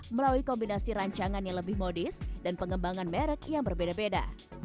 melalui kombinasi rancangan yang lebih modis dan pengembangan merek yang berbeda beda